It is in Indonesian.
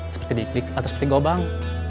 seperti dikik atau seperti gobang